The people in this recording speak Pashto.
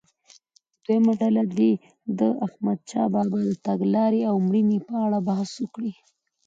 دویمه ډله دې د احمدشاه بابا د تګلارې او مړینې په اړه بحث وکړي.